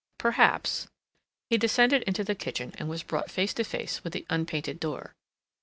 Perhaps he descended into the kitchen and was brought face to face with the unpainted door.